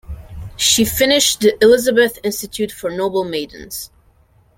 She finished the Elizabeth Institute for Noble Maidens.